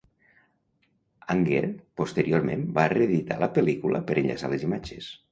Anger posteriorment va reeditar la pel·lícula per enllaçar les imatges.